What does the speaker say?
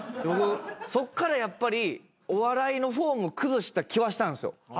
僕そっからやっぱりお笑いのフォーム崩した気はしたんすよ。